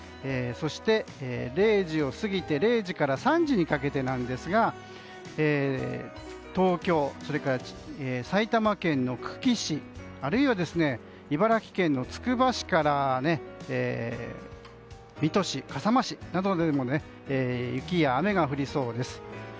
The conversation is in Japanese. そして、０時を過ぎて３時にかけてなんですが東京、それから埼玉県の久喜市あるいは茨城県のつくば市から水戸市、笠間市などでも雪や雨が降りそうです。